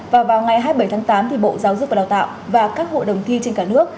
và vào ngày hai mươi bảy tháng tám thì bộ giáo dục và đào tạo và các hội đồng thi trên cả nước